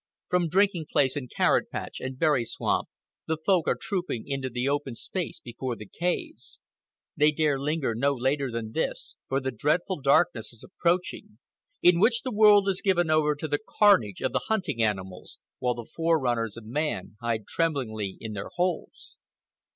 From drinking place and carrot patch and berry swamp the Folk are trooping into the open space before the caves. They dare linger no later than this, for the dreadful darkness is approaching, in which the world is given over to the carnage of the hunting animals, while the fore runners of man hide tremblingly in their holes.